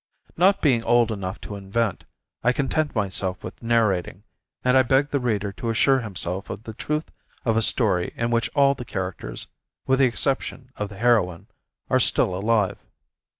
Not being old enough to invent, I content myself with narrating, and I beg the reader to assure himself of the truth of a story in which all the characters, with the exception of the heroine, are still alive.